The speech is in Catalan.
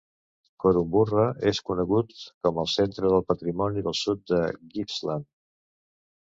Korumburra és conegut com el "Centre del Patrimoni del Sud de Gippsland".